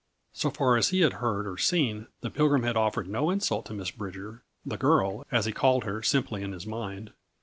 So far as he had heard or seen, the Pilgrim had offered no insult to Miss Bridger "the girl," as he called her simply in his mind.